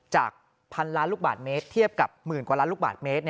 พันล้านลูกบาทเมตรเทียบกับหมื่นกว่าล้านลูกบาทเมตร